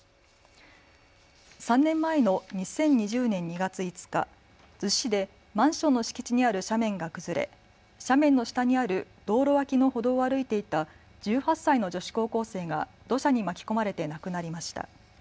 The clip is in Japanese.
３年前の２０２０年２月５日、逗子市でマンションの敷地にある斜面が崩れ斜面の下にある道路脇の歩道を歩いていた１８歳の女子高校生が土砂に巻き込まれて亡くなりました。